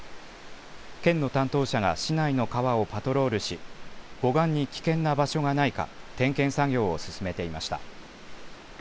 県の担当者が市内の川をパトロールし、護岸に危険な場所がないか、点検作業を進めていました。